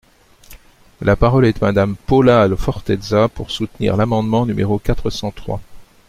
La parole est à Madame Paula Forteza, pour soutenir l’amendement numéro quatre cent trois.